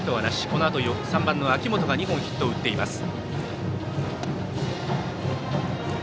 このあと、３番の秋元が２本ヒットを打っています。